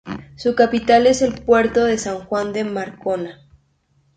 Su capital es el puerto de San Juan de Marcona.